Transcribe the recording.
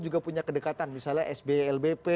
juga punya kedekatan misalnya sby lbp